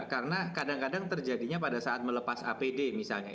karena kadang kadang terjadinya pada saat melepas apd misalnya